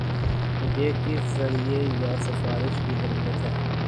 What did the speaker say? مجھے کس ذریعہ یا سفارش کی ضرورت ہے